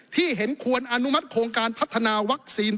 เห็นควรอนุมัติโครงการพัฒนาวัคซีน